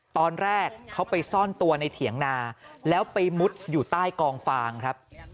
ตอนแรกเขาไปซ่อนตัวในเถียงนาแล้วไปมุดอยู่ใต้กองฟางครับ